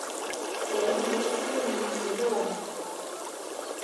勒梅斯尼吉洛姆。